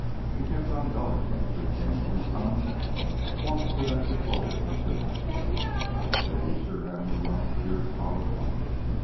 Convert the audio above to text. He kept on goin' after he came to some——Walked till that patrol picked him up. I'd say he sure had him a run of pure solid luck!